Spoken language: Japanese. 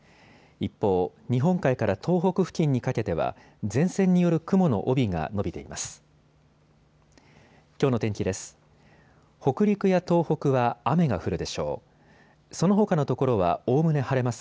一方、日本海から東北付近にかけては前線による雲の帯が延びています。